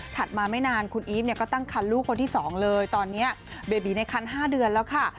มาไม่นานคุณอีฟเนี่ยก็ตั้งคันลูกคนที่๒เลยตอนนี้เบบีในคัน๕เดือนแล้วค่ะ